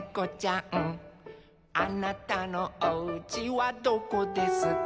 「あなたのおうちはどこですか」